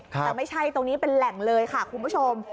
แต่ไม่ใช่ตรงนี้เป็นแหล่งเลยค่ะคุณผู้ชม